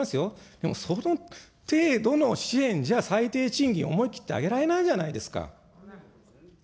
でもその程度の支援じゃ、最低賃金、思い切って上げられないじゃないですか。